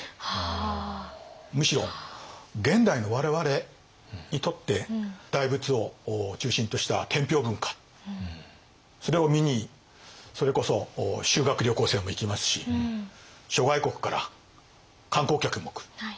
むしろ現代の我々にとって大仏を中心とした天平文化それを見にそれこそ修学旅行生も行きますし諸外国から観光客も来る。